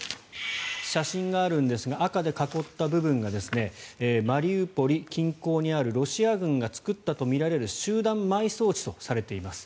写真があるんですが赤で囲った部分がマリウポリ近郊にあるロシア軍が作ったとみられる集団埋葬地とされています。